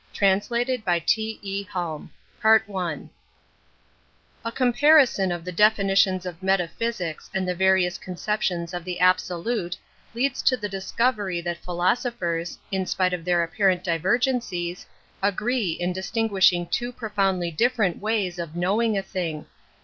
An Introduction to Metaphysics A COMPARISON of the definitions of *^ metaphysics and the various concep tions of the absolute leads to the discovery that philosophers, in spite of their apparent divergencies, agree in distinguishing two profoundly diflferent ways of knowing a thing.